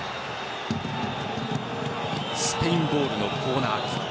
スペインボールのコーナーキック。